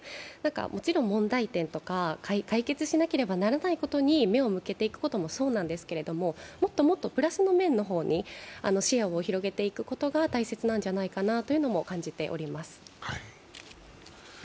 もちろん問題点とか解決しなければならないことに目を向けていくこともそうなんですけれども、もっともっとプラスの面の方に視野を広げていくことも大切なんじゃないかなとも感じています。